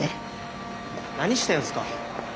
何してんすか？